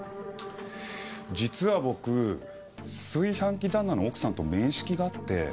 実は僕炊飯器旦那の奥さんと面識があって。